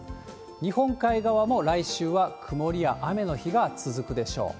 日本海側も来週は曇りや雨の日が続くでしょう。